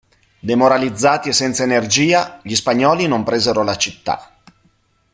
Demoralizzati e senza energia, gli spagnoli non presero la città.